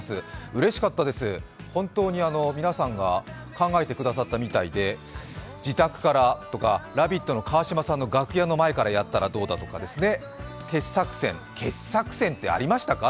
うれしかったです、本当に皆さんが考えてくださったみたいで自宅からとか「ラヴィット！」の川島さんの楽屋の前からやったどうかとか、傑作選、傑作選ってありましたか？